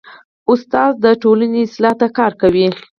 استاد د ټولنې اصلاح ته کار کوي.